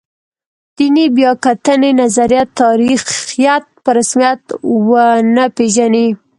دیني بیا کتنې نظریه تاریخیت په رسمیت ونه پېژني.